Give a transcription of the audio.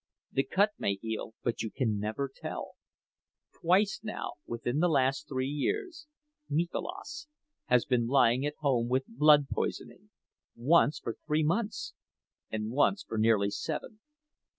The cut may heal, but you never can tell. Twice now; within the last three years, Mikolas has been lying at home with blood poisoning—once for three months and once for nearly seven.